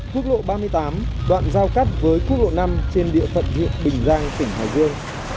quốc lộ ba mươi tám đoạn giao cắt với quốc lộ năm trên địa phận huyện bình giang tỉnh hải dương